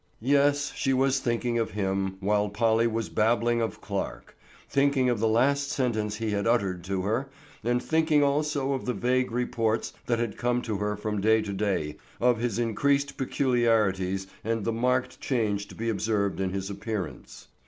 Yes, she was thinking of him while Polly was babbling of Clarke; thinking of the last sentence he had uttered to her, and thinking also of the vague reports that had come to her from day to day, of his increased peculiarities and the marked change to be observed in his appearance.